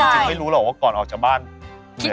กลัวบุคลิกดูมั่นใจ